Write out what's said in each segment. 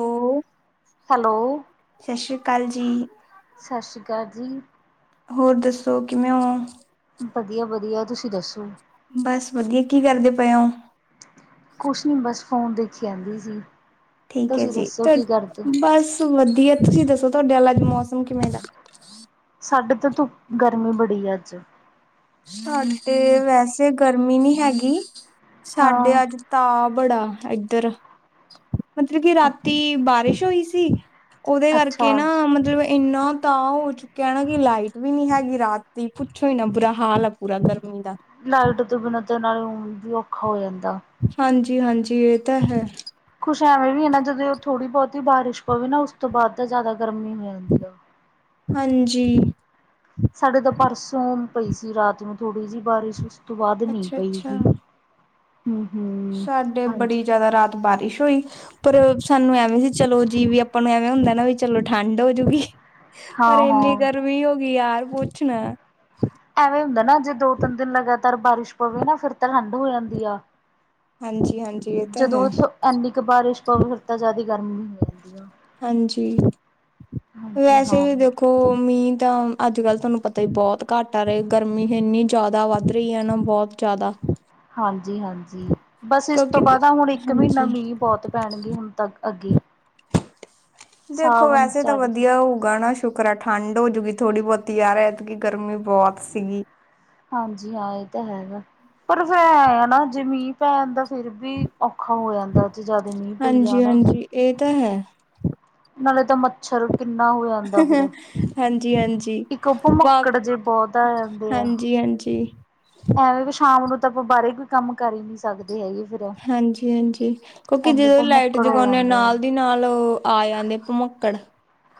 Hello hello, ਸਤਿ ਸ਼੍ਰੀ ਅਕਾਲ ਜੀ ਸਤਿ ਸ਼੍ਰੀ ਅਕਾਲ ਜੀ। ਹੋਰ ਦੱਸੋ ਕਿਵੇਂ ਹੋ? ਵਧੀਆ-ਵਧੀਆ ਤੁਸੀਂ ਦੱਸੋ? ਬਸ ਵਧੀਆ ਕੀ ਕਰਦੇ ਪਏ ਹੋ? ਕੁਛ ਨਹੀਂ ਬਸ ਫੋਨ ਦੇਖੀ ਜਾਂਦੀ ਸੀ। ਠੀਕ ਹੈ ਤੁਸੀਂ ਜੀ, ਦੱਸੋ ਪਰ ਕੀ ਕਰਦੇ ਬਸ ਵਧੀਆ, ਤੁਸੀਂ ਦੱਸੋ ਤੁਹਾਡੇ ਵੱਲ ਅੱਜ ਮੌਸਮ ਕਿਵੇਂ ਦਾ? ਸਾਡੇ ਤੋਂ ਧ, ਗਰਮੀ ਬੜੀ ਹੈ ਅੱਜ। ਸਾਡੇ, ਵੈਸੇ ਗਰਮੀ ਨਹੀਂ ਹੈਗੀ, ਹਾਂ ਸਾਡੇ ਅੱਜ ਤਾ ਬੜਾ ਇਏਧਰ ਮਤਲਬ ਕਿ ਅ ਰਾਤੀ, ਬਾਰਿਸ਼ ਹੋਈ ਸੀ। ਉਹਦੇ ਅੱਛਾ ਕਰਕੇ ਨਾ, ਮਤਲਬ ਇੰਨਾ ਤਾਂ ਹੋ ਚੁੱਕਿਆ ਨਾ ਕਿ ਲਾਈਟ ਵੀ ਨੀ ਹੈਗੀ ਰਾਤ ਦੀ ਪੁੱਛੋ ਹੀ ਨਾ ਬੁਰਾ ਹਾਲ ਆ ਬੂਰਾ ਗਰਮੀ ਦਾ। ਲਾਈਟ ਤੋਂ ਬਿਨਾਂ ਤੇ ਨਾਲੇ ਉ ਵੀ ਔਖਾ ਹੋ ਜਾਂਦਾ। ਹਾਂਜੀ- ਹਾਂਜੀ ਇਹ ਤਾਂ ਹੈ। ਕੁਛ ਐਵੇਂ ਵੀ ਹੈ ਨਾ ਜਦੋਂ ਥੋੜੀ-ਬਹੁਤੀ ਬਾਰਿਸ਼ ਪਵੇ ਨਾ ਉਸ ਤੋਂ ਬਾਅਦ ਤਾਂ ਜ਼ਿਆਦਾ ਗਰਮੀ ਹੋ ਜਾਂਦੀ ਆ। ਹਾਂਜੀ। ਸਾਡੇ ਤਾਂ ਪਰਸੋਂ ਪਈ ਸੀ ਰਾਤ ਨੂੰ ਥੋੜ੍ਹੀ ਜਿਹੀ ਬਾਰਿਸ਼ ਉਸ ਤੋਂ ਬਾਅਦ ਨੀ ਅੱਛਾ ਅੱਛਾ ਪਈਗੀ। ਹਮ-ਹਮ। ਸਾਡੇ ਬੜੀ ਜ਼ਿਆਦਾ ਰਾਤ ਬਾਰਿਸ਼ ਹੋਈ। ਪਰ ਸਾਨੂੰ ਐਵੇਂ ਸੀ ਚਲੋ ਜੀ ਵੀ ਆਪਾਂ ਨੂੰ ਐਵੇਂ ਹੁੰਦਾ ਨਾ ਵੀ ਚਲੋ ਠੰਡ ਹੋਜੂਗੀ। ਹਾਂ ਪਰ ਇੰਨੀ ਹਾਂ ਗਰਮੀ ਹੋ ਗਈ ਯਾਰ, ਪੁੱਛਣਾ। ਐਵੇਂ ਹੁੰਦਾ ਨਾ ਜੇ ਦੋ- ਤਿੰਨ ਦਿਨ ਲਗਾਤਾਰ ਬਾਰਿਸ਼ ਪਵੇ ਨਾ ਫਿਰ ਤਾਂ ਠੰਢ ਹੋ ਜਾਂਦੀ ਆ। ਹਾਂਜੀ- ਹਾਂਜੀ, ਇਹ ਤਾਂ ਹੈ। ਜਦੋਂ ਇੰਨੀ ਕੁ ਬਾਰਿਸ਼ ਪਵੇ ਫਿਰ ਤਾਂ ਜ਼ਿਆਦੇ। ਹਾਂਜੀ, ਹਾਂਜੀ ਵੈਸੇ ਹਾਂ ਵੀ ਦੇਖੋ। ਹੋਰ ਮੀਂਹ ਤਾਂ ਅੱਜ ਕੱਲ੍ਹ ਤੁਹਾਨੂੰ ਪਤਾ ਹੀ ਬਹੁਤ ਘੱਟ ਆ ਰਹੇ ਗਰਮੀ ਇੰਨੀ ਜ਼ਿਆਦਾ ਵੱਧ ਰਹੀ ਹੈ ਨਾ ਬਹੁਤ ਜ਼ਿਆਦਾ। ਹਾਂਜੀ -ਹਾਂਜੀ, ਬਸ ਇਸ ਤੋਂ ਕਿਉਂਕਿ ਬਾਅਦ ਹੁਣ ਇੱਕ ਮਹੀਨਾ ਹਾਂਜੀ ਮੀਂਹ ਬਹੁਤ ਪੈਣਗੇ ਹੁਣ ਤ ਅੱਗੇ ਦੇਖੋ ਸਾਵਣ ਵੈਸੇ ਤਾਂ ਚੜ੍ਹ ਵਧੀਆ ਹੋਊਗਾ ਨਾ ਸ਼ੁਕਰ ਆ ਠੰਡ ਹੋਜੂਗੀ ਥੋੜ੍ਹੀ-ਬਹੁਤੀ ਯਾਰ ਐਤਕੀ ਗਰਮੀ ਬਹੁਤ ਸੀਗੀ। ਹਾਂਜੀ ਹਾਂ ਇਹ ਤਾਂ ਹੈ। ਪਰ ਫਿਰ ਆਏ ਨਾ ਜੇ ਮੀਂਹ ਪੈ ਜਾਂਦਾ ਫਿਰ ਵੀ ਔਖਾ ਹੋ ਜਾਂਦਾ। ਜੇ ਜਿਆਦੇ ਮੀਹ ਹਾਂਜੀ- ਹਾਂਜੀ ਇਹ ਤਾਂ ਹੈ। ਨਾਲੇ ਤਾਂ ਮੱਛਰ ਕਿੰਨਾ ਹੋ ਜਾਂਦਾ। ਫਿਰ ਹਾਂਜੀ- ਹਾਂਜੀ ਇੱਕ [unintelligible] ਭਮੱਕੜ ਜੇ ਬਹੁਤ ਆ ਜਾਂਦੇ ਆ। ਹਾਂਜੀ -ਹਾਂਜੀ। ਐਵੇਂ ਵੀ ਸ਼ਾਮ ਨੂੰ ਤਾਂ ਆਪਾਂ ਬਾਹਰੇ ਕੋਈ ਕੰਮ ਕਰ ਹੀ ਨਹੀਂ ਸਕਦੇ ਹੈਗੇ। ਹਾਂਜੀ-ਹਾਂਜੀ, ਕਿਉਂਕਿ ਇੰਨੇ ਜਦੋਂ ਲਾਈਟ ਭਮੱਕੜ ਹੋ ਜਗਾਉਂਦੇ ਆ ਜਾਂਦੇ ਨਾਲ ਦੀ ਨਾਲ ਆ ਜਾਂਦੇ ਭਮੱਕੜ।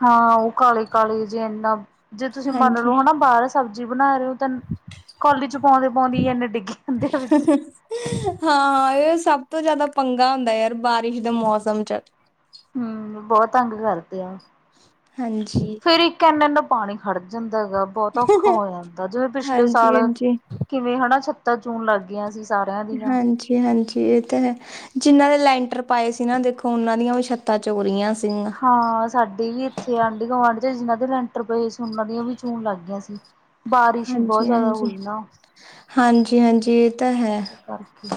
ਹਾਂ ਉਹ ਕਾਲੇ -ਕਾਲੇ ਜੇ ਇਨਾ, ਜੇ ਤੁਸੀਂ ਮੰਨ ਹਾਂਜੀ ਲਓ ਹਨਾ ਬਾਹਰ ਸਬਜ਼ੀ ਬਣਾ ਰਹੇ ਹੋ ਤਾਂ ਕੋਲੀ ਚ ਪਾਉਂਦੇ -ਪਾਉਂਦੀ ਇਨੇ ਡਿੱਗੀ ਜਾਂਦੇ ਆ ਵਿੱਚ ਹਾਂ ਇਹ ਸਭ ਤੋਂ ਜਿਆਦਾ ਪੰਗਾ ਹੁੰਦਾ ਯਾਰ ਬਾਰਿਸ਼ ਦੇ ਮੌਸਮ ਚ ਹਮ ਬਹੁਤ ਤੰਗ ਕਰਦੇ ਆ। ਹਾਂਜੀ। ਫੇਰ ਇੱਕ ਏਨਾ-ਏਨਾ ਪਾਣੀ ਖੜ ਜਾਂਦਾ ਹੈਗਾ ਬਹੁਤ ਔਖਾ ਹੋ ਜਾਂਦਾ ਜਿਵੇਂ ਪਿਛਲੇ ਹਾਂਜੀ ਸਾਲ ਹਾਂਜੀ ਕਿਵੇਂ ਹਨਾ ਛੱਤਾਂ ਚੋਣ ਲੱਗ ਗਈਆਂ ਸੀ। ਸਾਰਿਆਂ ਦੀਆਂ ਹਾਂਜੀ-ਹਾਂਜੀ ਇਹ ਤਾਂ ਹੈ। ਜਿਨਾਂ ਦੇ ਲੈਂਟਰ ਪਾਏ ਸੀ ਨਾ ਦੇਖੋ ਉਹਨਾਂ ਦੀਆਂ ਵੀ ਛੱਤਾਂ ਚੋਣ ਰਹੀਆਂ ਸੀਗੀਆਂ। ਹਾਂ, ਸਾਡੇ ਵੀ ਇੱਥੇ ਆਂਢੀ ਗੁਆਂਢ 'ਚ' ਜਿਹਨਾਂ ਦੇ ਲੈਂਟਰ ਪਏ ਸੀ ਉਹਨਾਂ ਦੀ ਉਹਨਾਂ ਦੀਆਂ ਵੀ ਚੋਣ ਲੱਗ ਗਈਆਂ ਸੀ। ਬਾਰਿਸ਼ ਈ ਬਹੁਤ ਹਾਂਜੀ ਜ਼ਿਆਦਾ ਹਾਂਜੀ ਹੋਈ ਨਾ। ਹਾਂਜੀ -ਹਾਂਜੀ ਤਾਂ ਹੈ ਏਸੇ ਕਰਕੇ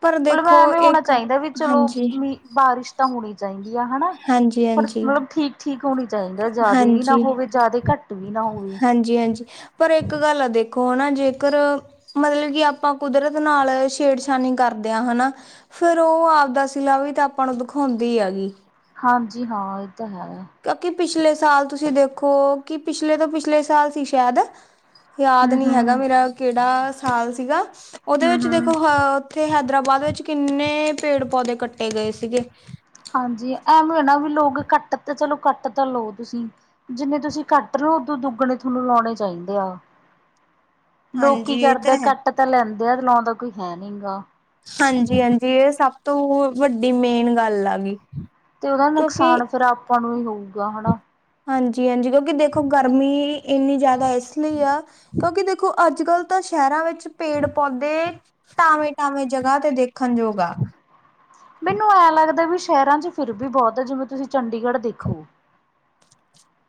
ਪਰ ਮਤਲਬ ਦੇਖੋ ਐਵੇਂ ਹੋਣਾ ਇੱਕ ਚਾਈਂਦਾ ਵੀ ਚਲੋ ਹਾਂਜੀ ਮੀ ਬਾਰਿਸ਼ ਤਾਂ ਹੋਣੀ ਚਾਈਂਦੀ ਆ ਹਨਾ ਹਾਂਜੀ ਪਰ ਹਾਂਜੀ ਮਤਲਬ ਠੀ ਠੀਕ ਹੋਣੀ ਚਾਈਂਦਾ ਜ਼ਾਦੇ ਵੀ ਨਾ ਹਾਂਜੀ, ਹੋਵੇ, ਜ਼ਾਦੇ ਘੱਟ ਵੀ ਨਾ ਹੋਵੇ। ਹਾਂਜੀ-ਹਾਂਜੀ ਪਰ ਇੱਕ ਗੱਲ ਆ ਦੇਖੋ ਹਨਾ ਜੇਕਰ ਮਤਲਬ ਕੀ ਆਪਾਂ ਕੁਦਰਤ ਨਾਲ ਛੇੜਛਾਨੀ ਕਰਦੇ ਆਂ ਹਨਾਂ ਫਿਰ ਉਅ ਆਵਦਾ ਸਿਲਾ ਵੀ ਤਾ ਆਪਾ ਨੂੰ ਦਖੌਂਦੀ ਆਗੀ। ਹਾਂਜੀ-ਹਾਂ ਇਹ ਤਾਂ ਹੈ। ਕਿਉਕਿ ਪਿਛਲੇ ਸਾਲ ਤੁਸੀ ਦੇਖੋ ਕਿ ਪਿਛਲੇ ਤੋ ਪਿਛਲੇ ਸਾਲ ਸੀ ਸ਼ਾਇਦ ਯਾਦ ਹੂੰ ਨੀਂ ਹੈਗਾ ਹੂੰ ਮੇਰਾ ਕਿਹੜਾ ਸਾਲ ਸੀਗਾ ਉਹਦੇ ਹੂੰ ਵਿੱਚ ਹੂੰ ਦੇਖੋ ਹਅ ਇੱਥੇ ਹੈਦਰਾਬਾਦ ਵਿੱਚ ਕਿੰਨੇ ਪੇੜ-ਪੌਦੇ ਕੱਟੇ ਗਏ ਸੀਗੇ। ਹਾਂਜੀ ਐਮੀ ਆ ਨਾ ਵੀ ਲੋਗ ਕੱਟ ਤੇ ਚਲੋ ਕੱਟ ਤਾ ਲਓ ਤੁਸੀਂ। ਜਿੰਨੇ ਤੁਸੀ ਕੱਟ ਰਹੇ ਹੋ ਓਦੂ ਦੁੱਗਣੇ ਥੋਨੂੰ ਲੌਣੇ ਚਾਈਂਦੇ ਆ। [inaudible] ਲੋਕ ਕੀ ਹਾਂਜੀ ਇਹ ਕਰਦੇ ਤਾਂ ਆਂ ਹੈ, ਕੱਟ ਤਾ ਲੈਂਦੇ ਆ ਲਾਉਂਦਾ ਕੋਈ ਹੈ ਨੀਂ ਗਾ। ਹਾਂਜੀ-ਅੰਜੀ ਏ ਸਭ ਤੋਅ ਵੱਡੀ ਮੇਨ ਗੱਲ ਆ ਗੀ। ਤੇ ਉਹਦਾ ਕਿਉਂਕਿ ਨੁਕਸਾਨ ਫਿਰ ਆਪਾਂ ਨੂੰ ਈ ਹੋਊਗਾ ਹਨਾ। ਹਾਂਜੀ- ਹਾਂਜੀ ਕਿਉਂਕਿ ਦੇਖੋ ਗਰਮੀ ਇੰਨੀ ਜ਼ਿਆਦਾ ਇਸ ਲਈ ਆ ਕਿਉਂਕਿ ਦੇਖੋ ਅੱਜ-ਕੱਲ੍ਹ ਤਾਂ ਸ਼ਹਿਰਾਂ ਵਿੱਚ ਪੇੜ-ਪੌਦੇ ਟਾਵੇਂ-ਟਾਵੇਂ ਜਗ੍ਹਾ ਤੇ ਦੇਖਣ ਯੋਗ ਆ। ਮੈਨੂੰ ਐਂ ਲਗਦੈ ਵੀ ਸ਼ਹਿਰਾਂ 'ਚ' ਫਿਰ ਵੀ ਬਹੁਤ ਐ ਜਿਵੇਂ ਤੁਸੀ ਚੰਡੀਗੜ੍ਹ ਦੇਖੋ। [inaudible]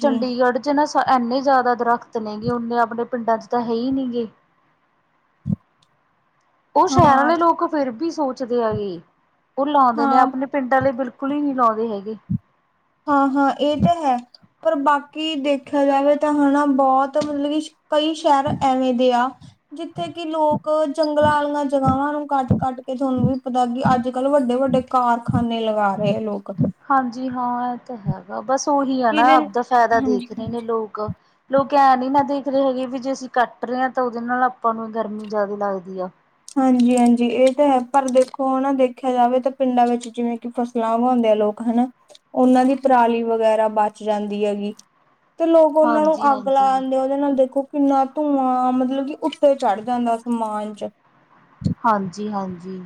ਚੰਡੀਗੜ੍ਹ 'ਚ' ਨਾ ਸ ਇੰਨੇ ਜ਼ਾਦਾ ਦਰਖਤ ਨੇ ਗੇ ਓਨੇ ਆਪਣੇ ਪਿੰਡਾਂ 'ਚ' ਤਾ ਹਈ ਨੀ ਗੇ। ਉਅ ਸ਼ਹਿਰਾਂ ਹਾਂ ਲੇ ਲੋਕ ਫਿਰ ਵੀ ਸੋਚਦੇ ਆਗੇ ਉਅ ਲੌਂਦੇ ਨੇ ਹਾਂ ਆਪਣੇ ਪਿੰਡਾਂ ਲੇ ਬਿਲਕੁਲ ਈ ਨੀ ਲੌਂਦੇ ਹੈਗੇ। ਹਾਂ-ਹਾਂ ਇ ਤੇ ਹੈ ਪਰ ਬਾਕੀ ਦੇਖਿਆ ਜਾਵੇ ਤਾਂ ਹਨਾ ਬੌਤ ਮਤਲਬ ਵੀ ਕਈ ਸ਼ਹਿਰ ਐਵੇਂ ਦੇ ਆ ਜਿੱਥੇ ਕਿ ਲੋਕ ਜੰਗਲਾਂ ਆਲੀਂਆਂ ਜਗ੍ਹਾਵਾਂ ਨੂੰ ਕੱਟ- ਕੱਟ ਕੇ ਥੋਨੂੰ ਵੀ ਪਤਾ ਕਿ ਅੱਜ-ਕੱਲ੍ਹ ਵੱਡੇ-ਵੱਡੇ ਕਾਰਖਾਨੇ ਲਗਾ ਰਹੇ ਆ ਲੋਕ। ਹਾਂਜੀ-ਹਾਂ ਐਤੇ ਹੈਗਾ ਬੱਸ ਉਹੀ ਆ ਨਾ ਜਿਹਦੇ ਆਵਦਾ ਫੈਦਾ ਹਾਂਜੀ ਦੇਖਦੇ ਨੇ ਲੋਕ। ਲੋਕ ਐਂ ਨੀ ਨਾ ਦੇਖਦੇ ਹੈਗੇ ਵੀ ਜੇ ਅਸੀ ਕੱਟ ਰਹੇ ਤਾਂ ਉਦੇ ਨਾਲ ਆਪਾਂ ਨੂੰ ਗਰਮੀ ਜਾਇਦੇ ਲਗਦੀ ਐ। ਹਾਂਜੀ-ਹਾਂਜੀ ਇਅ ਤੇ ਹੈ ਪਰ ਦੇਖੋ ਹਨਾ ਦੇਖਿਆ ਜਾਵੇ ਤਾ ਪਿੰਡਾਂ ਵਿੱਚ ਜਿਵੇਂ ਕਿ ਫਸ ਲਾਂ ਉਗੌਂਦੇਆ ਲੋਕ ਹਨਾ ਉਨਾਂ ਦੀ ਪਰਾਲੀ ਵਗੈਰਾ ਬੱਚ ਜਾਂਦੀ ਆ ਗੀ। ਤੇ ਲੋਕ ਓਨਾਂ ਨੂੰ ਹਾਂਜੀ ਅੱਗ ਲਾ ਹਾਂਜੀ ਦਿੰਦੇ ਆ। ਉਹਦੇ ਨਾਲ ਦੇਖੋ ਕਿੰਨਾ ਧੂੰਆਂ ਮਤਲਬ ਕਿ ਉੱਤੇ ਚੜ੍ਹ ਜਾਂਦਾ ਅਸਮਾਨ 'ਚ'। ਹਾਂਜੀ-ਹਾਂਜੀ।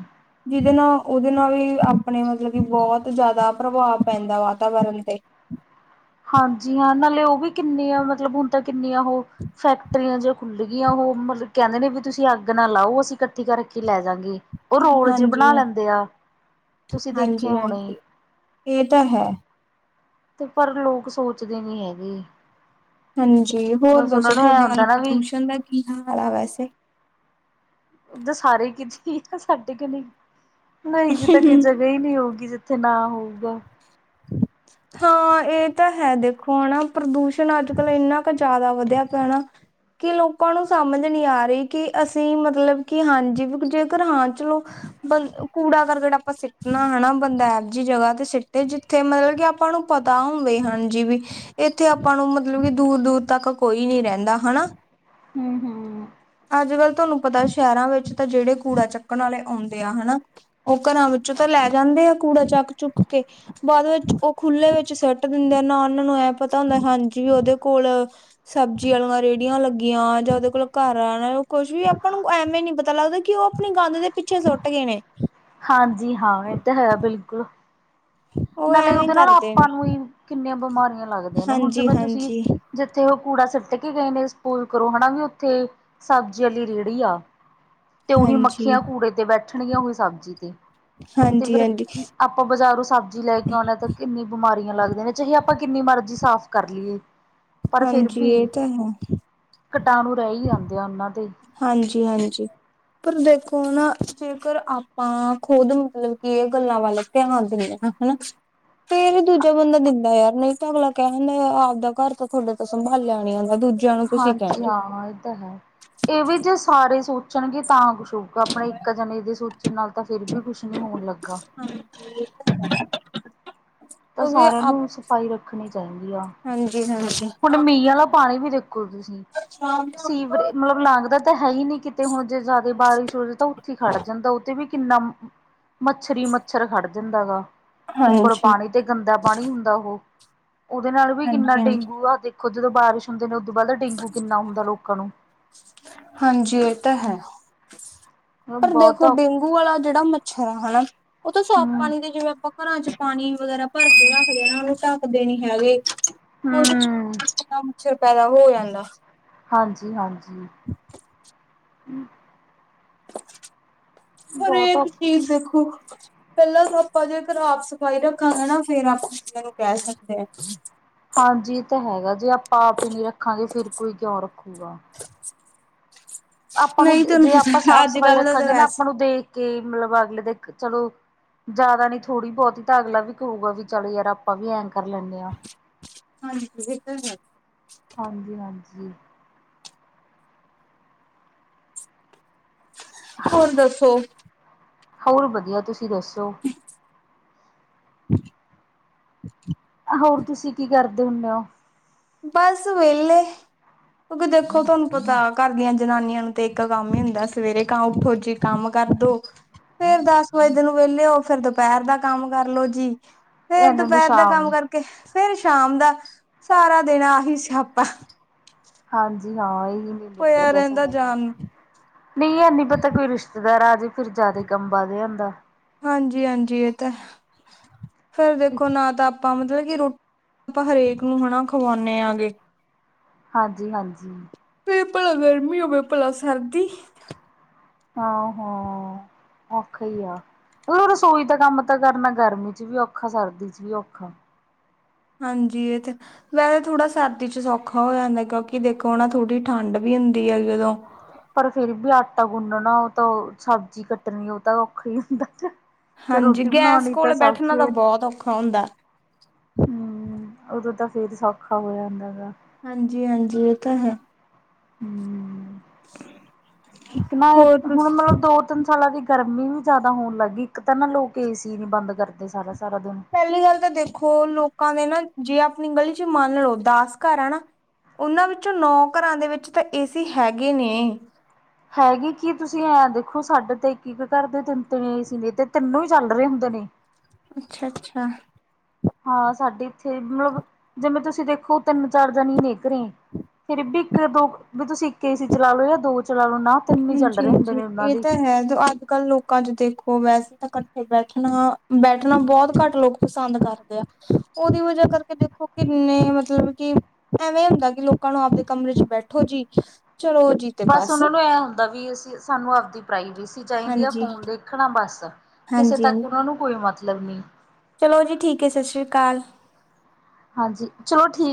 ਜਿਦੇ ਨਾਂ ਉਦੇ ਨਾਂ ਵੀ ਆਪਣੇ ਮਤਲਬ ਕਿ ਬਹੁਤ ਜਿਆਦਾ ਪ੍ਰਭਾਵ ਪੈਂਦਾ ਵਾਤਾਵਰਨ 'ਤੇ। ਹਾਂਜੀ- ਹਾਂ ਨਾਲੇ ਉਅ ਵੀ ਕਿੰਨਿਆਂ ਮਤਲਬ ਹੁਣ ਤਾ ਕਿੰਨੀਆਂ ਹੋ ਫੈਕਟਰੀਆ ਜੀਆ। ਖੁੱਲ ਗੀਆ ਉਹ ਮਤਲਬ ਕਹਿੰਦੇ ਨੇ ਵੀ ਤੁਸੀ ਅੱਗ ਨਾ ਲਾਓ ਅਸੀ ਕੱਠੀ ਕਰ ਕੇ ਲੈਜਾਂਗੇ। ਉਅ ਰੋਲ ਜੇ ਹਾਂਜੀ ਬਣਾ ਲੈਂਦੇ ਆ, ਤੁਸੀ ਦੇਖੇ ਹੋਣੇ। ਇ ਤਾ ਹੈ। ਤੇ ਪਰ ਲੋਕ ਸੋਚਦੇ ਨੀ ਹੈਗੇ। ਹਾਂਜੀ ਹੋਰ ਬਸ ਉਹਨਾਂ ਦੱਸੋ ਨੂੰ ਐ ਥੋਡੇ ਵੱਲ ਹੁੰਦਾ ਨਾ ਵੀ ਪ੍ਰਦੂਸ਼ਣ ਦਾ ਕੀ ਹਾਲ ਆ ਵੈਸੇ? ਉਦਾ ਸਾਰੇ ਕਿਤੇਈ ਆ [unintelligible] ਨੀ ਊਗੀ ਜਿੱਥੇ ਨਾ ਹੋਊਗਾ। ਹਾਂ ਇਹ ਤਾ ਹੈ ਦੇਖੋ ਹਨਾ ਪ੍ਰਦੂਸ਼ਣ ਅੱਜ-ਕੱਲ੍ਹ ਇੰਨਾ ਕ ਜਿਆਦਾ ਵਧੀਆ ਪਿਆ ਨਾਂ। ਕਿ ਲੋਕਾਂ ਨੂੰ ਸਮਝ ਨਹੀਂ ਆ ਰਹੀ ਕਿ ਅਸੀਂ ਮਤਲਬ ਕਿ ਹਾਂਜੀ ਵੀ ਜੇਕਰ ਹਾਂ ਚਲੋ, ਬੰ ਕੂੜਾ-ਕਰਕਟ ਆਪਾਂ ਸਿੱਟਣਾ ਹਨਾ। ਬੰਦਾ ਐ ਜਿਹੀ ਜਗ੍ਹਾ ਤੇ ਸੀਟੇ ਜਿੱਥੇ ਮਤਲਬ ਕਿ ਆਪਾਂ ਨੂੰ ਪਤਾ ਹੋਵੇ ਹਨ ਜੀ ਵੀ। ਇੱਥੇ ਆਪਾਂ ਨੂੰ ਮਤਲਬ ਕਿ ਦੂਰ-ਦੂਰ ਤੱਕ ਕੋਈ ਨੀ ਰਹਿੰਦਾ ਹਨਾ। ਹਮ-ਹਮ। ਅੱਜ-ਕੱਲ੍ਹ ਤੁਹਾਨੂੰ ਪਤਾ ਸ਼ਹਿਰਾਂ ਵਿੱਚ ਤਾਂ ਜਿਹੜੇ ਕੂੜਾ ਚੱਕਣ ਵਾਲੇ ਆਉਦੇ ਆ ਹਨਾ। ਉਹ ਘਰਾਂ ਵਿੱਚੋਂ ਤਾਂ ਲੈ ਜਾਂਦੇ ਆ ਕੂੜਾ ਚੱਕ-ਚੁੱਕ ਕੇ ਬਾਅਦ ਵਿੱਚ ਉਹ ਖੁੱਲ੍ਹੇ ਵਿੱਚ ਸਿੱਟ ਦਿੰਦੇ ਆ ਨਾ ਉਹਨਾਂ ਨੂੰ ਇਹ ਪਤਾ ਹੁੰਦਾ। ਹਾਂਜੀ ਵੀ ਉਹਦੇ ਕੋਲ ਸਬਜ਼ੀ ਵਾਲੀਆਂ ਰੇਹੜੀਆਂ ਲੱਗੀਆਂ ਜਾਂ ਉਹਦੇ ਕੋਲ ਘਰ ਆਣਾ ਕੁੱਛ ਵੀ ਆਪਾਂ ਨੂੰ ਐਵੇਂ ਨੀ ਪਤਾ ਲੱਗਦਾ ਕਿ ਉਹ ਆਪਣੀ ਗੰਦ ਦੇ ਪਿੱਛੇ ਸੁੱਟ ਗੇ ਨੇ। ਹਾਂਜੀ ਹਾਂ। ਇਹ ਤਾਂ ਹੈ ਬਿਲਕੁਲ। ਉਹ ਨਾਲੇ ਐਵੇਂ ਉਹਦੇ ਨਾਲ ਕਰਦੇ ਆਪਾਂ ਨੇ ਨੂੰ ਵੀ ਕਿੰਨੀਆਂ ਬਿਮਾਰੀਆਂ ਲੱਗਦੀਆਂ ਨੇ ਹੁਣ ਹਾਂਜੀ ਜਿਵੇਂ ਤੁਸੀਂ? ਹਾਂਜੀ ਜਿੱਥੇ ਉਹ ਕੂੜਾ ਸੁੱਟ ਕੇ ਗਏ ਨੇ, ਸਪੋਲ ਕਰੋ ਹਨਾ ਵੀ ਉੱਥੇ ਸਬਜ਼ੀ ਆਲੀ ਰੇਹੜੀ ਆ। ਤੇ ਉਹੀ ਹਾਂਜੀ ਮੱਖੀਆਂ ਕੂੜੇ ਤੇ ਬੈਠਣਗੀਆਂ ਉਹੀ ਸਬਜ਼ੀ ਤੇ। ਤੇ ਹਾਂਜੀ ਫਿਰ ਹਾਂਜੀ ਆਪਾਂ ਬਾਜ਼ਾਰੋਂ ਸਭ ਲੈ ਕੇ ਆਉਣੇ ਤਾਂ ਕਿੰਨੀ ਬਿਮਾਰੀਆਂ ਲੱਗਦੀ ਨੇ ਚਾਹੇ ਆਪਾਂ ਕਿੰਨੀ ਮਰਜ਼ੀ ਸਾਫ਼ ਕਰ ਲਈਏ। ਪਰ ਫਿਰ ਹਾਂਜੀ ਵੀ ਇਹ ਤਾਂ ਹੈ ਕੀਟਾਣੂ ਰਹਿ ਹੀ ਜਾਂਦੇ ਆ ਉਹਨਾਂ ਤੇ। ਹਾਂਜੀ-ਹਾਂਜੀ। ਪਰ ਦੇਖੋ ਨਾ, ਜੇਕਰ ਆਪਾਂ ਖੁਦ ਮਤਲਬ ਕਿ ਇਹ ਗੱਲਾਂ ਵੱਲ ਧਿਆਨ ਦਿਣੇ ਆ। [unintelligible] ਫੇਰ ਵੀ ਦੂਜਾ ਬੰਦਾ ਦਿੰਦਾ ਯਾਰ ਨਹੀਂ ਤਾਂ ਅਗਲਾ ਕਹਿ ਹੁੰਦਾ ਆਪਦਾ ਘਰ ਤਾਂ ਤੁਹਾਡੇ ਤੋਂ ਸੰਭਾਲਿਆ ਨੀ ਜਾਂਂਦਾ ਦੂਜਾ ਹਾਂਜੀ ਹਾਂ ਇਹ ਤਾਂ ਹੈ। ਇਹ ਵੀ ਜੇ ਸਾਰੇ ਸੋਚਣਗੇ ਤਾਂ ਕੁਛ ਹੋਉ। ਆਪਣੇ ਇੱਕ ਜਣੇ ਦੇ ਸੋਚਣ ਨਾਲ ਤਾਂ ਫਿਰ ਵੀ ਕੁਛ ਨੀ ਹੋਣ ਲੱਗਾ। [unintelligible] ਤਾਂ ਸਾਰਿਆਂ ਨੂੰ ਸਫ਼ਾਈ ਰੱਖਣੀ ਚਾਹੀਦੀ ਆ। ਹਾਂਜੀ-ਹਾਂਜੀ। ਹੁਣ ਮੀਂਹ ਆਲਾ ਪਾਣੀ ਵੀ ਦੇਖੋ ਤੁਸੀਂ? ਸੀਵਰੇ ਮਤਲਬ ਲੰਘਦਾ ਤਾਂ ਹੈ ਹੀ ਨਹੀਂ ਕਿਤੇ ਹੁਣ ਜੇ ਜ਼ਿਆਦਾ ਬਾਰਿਸ਼ ਹੋ ਜਾਵੇ ਤਾਂ ਉੱਥੇ ਖੜ ਜਾਂਦਾ ਉੱਥੇ ਵੀ ਕਿੰਨਾ ਮੱਛਰ-ਮੱਛਰ ਖੜ ਜਾਂਦਾ ਗਾ ਉੱਪਰ ਹਾਂਜੀ ਪਾਣੀ ਤੇ ਗੰਦਾ ਪਾਣੀ ਹੁੰਦਾ ਉਹੋ। ਉਹਦੇ ਨਾਲ ਵੀ ਕਿੰਨਾ ਹਾਂਜੀ ਡੇਂਗੂ ਆ ਦੇਖੋ, ਜਦੋਂ ਬਾਰਿਸ਼ ਹੁੰਦੇ ਨੇ ਉਦੋਂ ਬਾਅਦ ਡੇਂਗੂ ਕਿੰਨਾ ਹੁੰਦਾ ਲੋਕਾਂ ਨੂੰ। ਹਾਂਜੀ ਇਹ ਤਾਂ ਹੈ। ਪਰ ਬਹੁਤ ਦੇਖੋ ਡੇਂਗੂ ਵਾਲਾ ਜਿਹੜਾ ਮੱਛਰ ਆ ਹਨਾ। ਉਹ ਤਾਂ ਸਾਫ਼ ਹਮ ਪਾਣੀ ਦੇ ਜਿਵੇਂ ਆਪਾਂ ਘਰਾਂ 'ਚ' ਪਾਣੀ ਵਗੈਰਾ ਭਰ ਕੇ ਰੱਖਦੇ ਹ ਉਹਨੂੰ ਢੱਕਦੇ ਨੀ ਹੈਗੇ। ਉਹਦੇ ਹਮ ਕਿੰਨਾ ਮੱਛਰ ਪੈਦਾ ਹੋ ਜਾਂਦਾ। ਹਾਂਜੀ-ਹਾਂਜੀ। ਬਹੁਤ ਹਰੇਕ ਚੀਜ਼ ਦੇਖੋ ਪਹਿਲਾਂ ਆਪਾਂ ਜੇ ਘਰ ਆਪ ਸਫ਼ਾਈ ਰੱਖਾਂਗੇ ਨਾ ਫੇਰ ਆਪਾਂ ਦੂਜਿਆਂ ਨੂੰ ਕਹਿ ਸਕਦੇ ਆ। ਹਾਂਜੀ ਇਹ ਤਾਂ ਹੈਗਾ ਜੇ ਆਪਾਂ ਆਪ ਹੀ ਨਹੀਂ ਰੱਖਾਂਗੇ ਫਿਰ ਕੋਈ ਕਿਉਂ ਰੱਖੂਗਾ। ਆਪਾਂ ਨੂੰ ਨਹੀਂ ਤੁਹਾਨੂੰ ਜੇ ਆਪਾਂ ਪਤਾ ਅੱਜ ਸਾਫ਼-ਸਫ਼ਾਈ ਕੱਲ ਦਾ ਤਾਂ ਰੱਖਾਂਗੇ ਨਾ ਆਪਾਂ ਵੈਸੇ ਨੂੰ ਦੇਖ ਕੇ ਮਤਲਬ ਅਗਲੇ ਦੇ ਚਲੋ। ਜ਼ਿਆਦਾ ਨੀ ਥੋੜ੍ਹੀ ਬਹੁਤੀ ਹੀ ਤਾਂ ਅਗਲਾ ਵੀ ਕਹੂੰਗਾ ਵੀ ਚੱਲ ਯਾਰ ਆਪਾਂ ਵੀ ਐਂ ਕਰ ਲੈਣੇ ਆ। ਹਾਂਜੀ ਇਹ ਤਾਂ ਹੈ। ਹਾਂਜੀ-ਹਾਂਜੀ। ਹੋਰ ਦੱਸੋ? ਹੋਰ ਵਧੀਆ। ਤੁਸੀਂ ਦੱਸੋ? [inaudible] ਹੋਰ ਤੁਸੀਂ ਕੀ ਕਰਦੇ ਹੁਣੇ ਓ? ਬੱਸ ਵੇਹਲੇ। ਕਿਉਂਕਿ ਦੇਖੋ ਤੁਹਾਨੂੰ ਪਤਾ। ਘਰ ਦੀਆਂ ਜਨਾਨੀਆਂ ਨੂੰ ਤੇ ਇੱਕ ਕੰਮ ਹੀ ਹੁੰਦਾ ਸਵੇਰੇ ਕ ਉੱਠੋ ਜੀ। ਕੰਮ ਕਰਦੋ, ਫੇਰ ਦਸ ਵਜੇ ਨੂੰ ਵਿਹਲੇਓ ਫਿਰ ਦੁਪਹਿਰ ਦਾ ਕੰਮ ਕਰਲੋ ਜੀ। ਫੇਰ ਇਹਨਾਂ ਨੂੰ ਦੁਪਹਿਰ ਦਾ ਕੰਮ ਸ਼ਾਮ ਕਰਕੇ, ਫੇਰ ਸ਼ਾਮ ਦਾ, ਸਾਰਾ ਦਿਨ ਆਹੀ ਸਿਆਪਾ। ਹਾਂਜੀ ਹਾਂ [unintelligible] ਹੋਇਆ ਰਹਿੰਦਾ ਸਾਰਾ ਦਿਨ। ਜਾਨ ਨੂੰ। ਨਹੀਂ ਐਨੀ ਪਤਾ ਕੋਈ ਰਿਸ਼ਤੇਦਾਰ ਆ ਜੇ ਫਿਰ ਜ਼ਿਆਦਾ ਕੰਮ ਵੱਧ ਜਾਂਦਾ। ਹਾਂਜੀ-ਹਾਂਜੀ ਇਹ ਤਾਂ, ਫੇਰ ਦੇਖੋ ਨਾ ਤਾਂ ਆਪਾਂ ਮਤਲਬ ਕਿ ਰੋ, ਆਪਾਂ ਹਰੇਕ ਨੂੰ ਹਨਾ ਖਵਾਉਣੇ ਆਗੇ। ਹਾਂਜੀ-ਹਾਂਜੀ। ਫਿਰ ਭਲਾ ਗਰਮੀ ਹੋਵੇ, ਭਲਾ ਸਰਦੀ। ਹਾਂ-ਹਾਂ ਔਖਾ ਹੀ ਆ। ਹਨਾ ਰਸੋਈ ਦਾ ਕੰਮ ਤਾਂ ਕਰਨਾ ਗਰਮੀ 'ਚ' ਵੀ ਔਖਾ ਸਰਦੀ 'ਚ' ਵੀ ਔਖਾ। ਹਾਂਜੀ ਇਹ ਤੇ ਵੈਸੇ ਥੋੜ੍ਹਾ ਸਰਦੀ 'ਚ' ਸੌਖਾ ਹੋ ਜਾਂਦਾ ਕਿਉਂਕਿ ਦੇਖੋ ਨਾ ਥੋੜ੍ਹੀ ਠੰਢ ਵੀ ਹੁੰਦੀ ਆ ਉਦੋਂ। ਪਰ ਫੇਰ ਵੀ ਆਟਾ ਗੁੰਨਣਾ ਉਹ ਤੋ ਸਬਜ਼ੀ ਕੱਟਣੀ ਉਹ ਤਾਂ ਔਖਾ ਹੀ ਹੁੰਦਾ [unintelligible] ਹਾਂਜੀ ਰੋਟੀ ਗੈਸ ਬਣਾਉਣੀ ਤਾਂ ਕੋਲ ਬੈਠਣਾ ਸੌਖੀ ਤਾਂ ਹੈ ਬਹੁਤ ਔਖਾ ਹੁੰਦਾ। ਹਮ, ਉਦੋਂ ਤਾਂ ਫਿਰ ਸੌਖਾ ਹੋ ਜਾਂਦਾ ਗਾ। ਹਾਂਜੀ-ਹਾਂਜੀ ਇਹ ਤਾਂ ਹੈ। ਹਮ, ਇੱਕ ਨਾ ਹੋਰ ਹੁਣ ਤੁਸੀਂ ਮਤਲਬ ਦੋ ਤਿੰਨ ਸਾਲਾਂ ਦੀ ਗਰਮੀ ਵੀ ਜ਼ਿਆਦਾ ਹੋਣ ਲੱਗ ਗਈ ਇੱਕ ਤਾਂ ਨਾ ਲੋਕ ਏ ਸੀ ਨੀ ਬੰਦ ਕਰਦੇ ਸਾਰਾ- ਸਾਰਾ ਦਿਨ। ਪਹਿਲੀ ਗੱਲ ਤਾਂ ਦੇਖੋ ਲੋਕਾਂ ਦੇ ਨਾ ਜੇ ਆਪਣੀ ਗਲੀ ਚ ਮੰਨ ਲਓ ਦਸ ਘਰ ਆ ਨਾ ਉਹਨਾਂ ਵਿੱਚੋਂ ਨੌ ਘਰਾਂ ਦੇ ਵਿੱਚ ਤਾਂ ਏਸੀ ਹੈਗੇ ਨੇ। ਹੈਗੀ ਕੀ ਤੁਸੀਂ ਐਂ ਦੇਖੋ ਸਾਡੇ ਤੇ ਇੱਕ ਘਰਦੇ ਤਿੰਨ -ਤਿੰਨ ਏ ਸੀ ਨੇ ਤੇ ਤਿੰਨੋ ਹੀ ਚੱਲ ਰਹੇ ਹੁੰਦੇ ਨੇ। ਅੱਛਾ -ਅੱਛਾ। ਹਾਂ ਸਾਡੇ ਇੱਥੇ ਮਤਲਬ ਜਿਵੇਂ ਤੁਸੀਂ ਦੇਖੋ ਤਿੰਨ ਚਾਰ ਜਣੇ ਈ ਨੇ ਘਰੇ। ਫਿਰ ਵੀ ਇੱਕ, ਦੋ ਵੀ ਤੁਸੀਂ ਇੱਕ ਏ ਸੀ ਚਲਾ ਲੋ ਜਾਂ ਦੋ ਚਲਾ ਲਓ। ਨਾ ਤਿੰਨ ਹੀ ਚੱਲ ਹਾਂਜੀ ਰਹੇ ਹੁੰਦੇ -ਹਾਂਜੀ ਨੇ ਉਹਨਾਂ ਇਹ ਦੇ ਤਾਂ ਹੈ ਅੱਜ ਕੱਲ ਲੋਕੀ ਲੋਕਾਂ 'ਚ ਦੇਖੋ ਵੈਸੇ ਤਾਂ ਇਕੱਠੇ ਬੈਠਣਾ, ਬੈਠਣਾ ਬਹੁਤ ਘੱਟ ਲੋਕ ਪਸੰਦ ਕਰਦੇ ਆ। ਉਹਦੀ ਵਜ੍ਹਾ ਕਰਕੇ ਦੇਖੋ ਕਿੰਨੇ ਮਤਲਬ ਕਿ ਐਵੇਂ ਹੁੰਦਾ ਕਿ ਲੋਕਾਂ ਨੂੰ ਆਪਦੇ ਕਮਰੇ ਚ ਬੈਠੋ ਜੀ, ਚਲੋ ਜੀ। ਬਸ ਉਹਨਾਂ ਨੂੰ ਐ ਹੁੰਦਾ ਵੀ ਅਸੀਂ ਸਾਨੂੰ ਆਪਦੀ ਪ੍ਰਾਈਵੇਸੀ ਚਾਹੀਦੀ ਆ ਹਾਂਜੀ। ਫੋਨ ਦੇਖਣਾ ਬਸ, ਕਿਸੇ ਹਾਂਜੀ-ਹਾਂਜੀ ਤੱਕ ਉਹਨਾਂ ਨੂੰ ਕੋਈ ਮਤਲਬ ਨੀ। ਚਲੋ ਜੀ ਠੀਕ ਹੈ, ਸਤਿ ਸ਼੍ਰੀ ਅਕਾਲ। ਹਾਂਜੀ ਚਲੋ ਠੀਕ